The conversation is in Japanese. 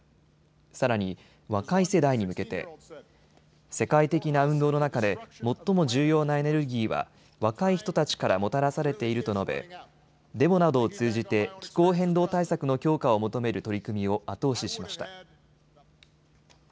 さらに、若い世代に向けて世界的な運動の中で最も重要なエネルギーは若い人たちからもたらされていると述べデモなどを通じて気候変動対策の強化を求める取り組みを後押ししました。